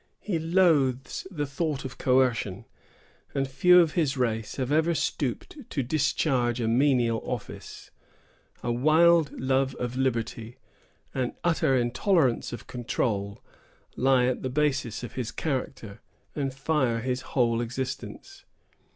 He loathes the thought of coercion; and few of his race have ever stooped to discharge a menial office. A wild love of liberty, an utter intolerance of control, lie at the basis of his character, and fire his whole existence.